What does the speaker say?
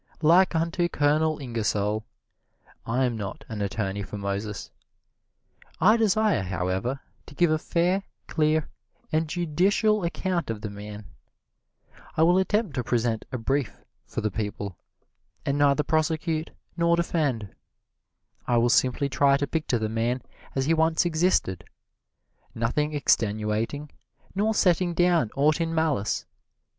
Like unto Colonel Ingersoll, I am not an attorney for Moses. I desire, however, to give a fair, clear and judicial account of the man. I will attempt to present a brief for the people, and neither prosecute nor defend. I will simply try to picture the man as he once existed, nothing extenuating, nor setting down aught in malice.